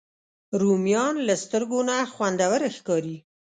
رومیان له سترګو نه خوندور ښکاري